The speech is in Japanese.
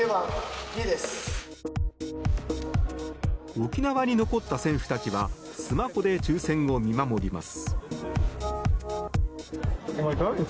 沖縄に残った選手たちはスマホで抽選を見守ります。